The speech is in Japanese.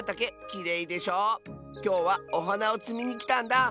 きょうはおはなをつみにきたんだ。